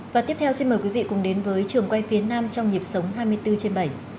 và tiếp theo xin mời quý vị cùng đến với trường quay phía nam trong nhịp sống hai mươi bốn trên bảy